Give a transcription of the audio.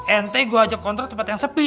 ente gua ajak kontrol ke tempat yang sepi